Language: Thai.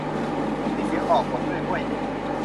มีเสียงบอกบทด้วยเว่ย